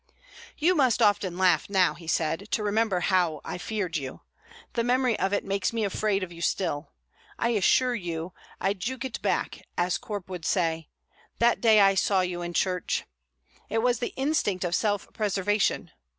"You must often laugh now," he said, "to remember how I feared you. The memory of it makes me afraid of you still. I assure you, I joukit back, as Corp would say, that day I saw you in church. It was the instinct of self preservation.